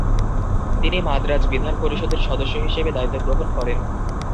তিনি মাদ্রাজ বিধান পরিষদের সদস্য হিসেবে দায়িত্বগ্রহণ করেন।